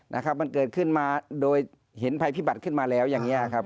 นะครับมันเกิดขึ้นมาโดยเห็นภัยพิบัติขึ้นมาแล้วอย่างเงี้ยครับ